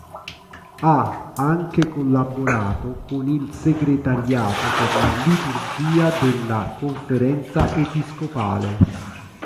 Ha anche collaborato con il Segretariato per la liturgia della Conferenza episcopale.